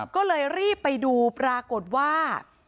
ก็เลยรีบไปดูปรากฏว่า